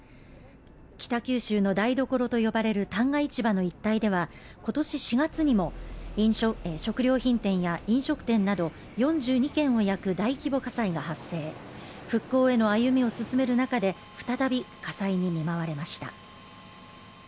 北九州の台所と呼ばれる旦過市場の一帯ではことし４月にも食料品店や飲食店など４２軒を焼く大規模火災が発生復興への歩みを進める中で再び火災に見舞われました